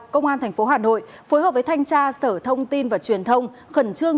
công an thành phố hà nội phối hợp với thanh tra sở thông tin và truyền thông khẩn trương